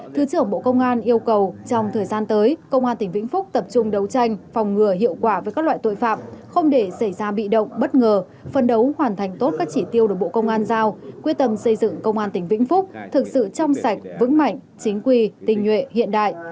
thứ trưởng bộ công an yêu cầu trong thời gian tới công an tỉnh vĩnh phúc tập trung đấu tranh phòng ngừa hiệu quả với các loại tội phạm không để xảy ra bị động bất ngờ phân đấu hoàn thành tốt các chỉ tiêu được bộ công an giao quyết tâm xây dựng công an tỉnh vĩnh phúc thực sự trong sạch vững mạnh chính quy tình nhuệ hiện đại